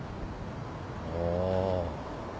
ああ。